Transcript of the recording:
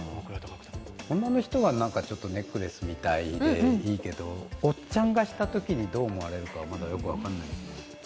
女の人はネックレスみたいでいいですけど、おっちゃんがしたときに、どう思われるか、まだよく分からない。